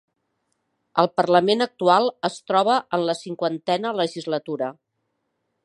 El parlament actual es troba en la cinquantena legislatura.